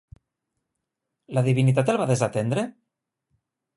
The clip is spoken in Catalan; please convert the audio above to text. La divinitat el va desatendre?